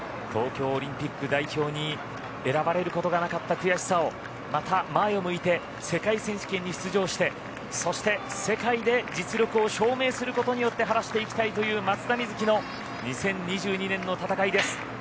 東京オリンピック代表に選ばれることがなかった悔しさをまた前を向いて世界選手権に出場してそして世界で実力を証明することによって晴らしていきたいという松田瑞生の２０２２年の戦いです。